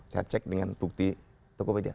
saya cek dengan bukti tokopedia